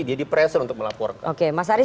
dia di pressure untuk melaporkan oke mas arief